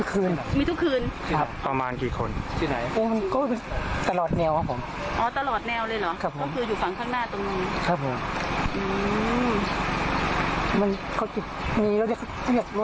ก็จะมีรถมีกันงี้